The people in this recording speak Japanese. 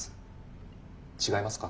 違いますか？